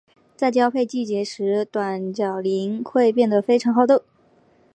在交配季节时短角羚会变得非常好斗。